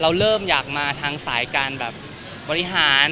เรายักมาทางสายบริหาร